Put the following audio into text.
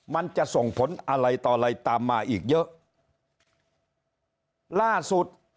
มันจะส่งผลอะไรต่ออะไรตามมาอีกเยอะล่าสุด